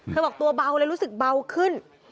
เธอบอกตัวเบ้าละแล้วรู้สึกเบาขึ้น